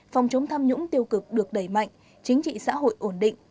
phòng chống tham nhũng tiêu cực được đẩy mạnh chính trị xã hội ổn định